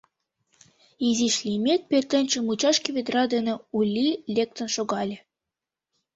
Изиш лиймек, пӧртӧнчыл мучашке ведра дене Ули лектын шогале.